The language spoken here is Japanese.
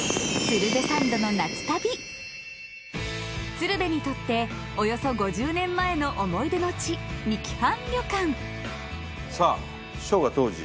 鶴瓶にとっておよそ５０年前の思い出の地三木半旅館。